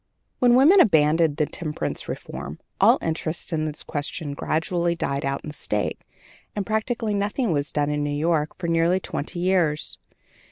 When women abandoned the temperance reform, all interest in the question gradually died out in the State, and practically nothing was done in New York for nearly twenty years.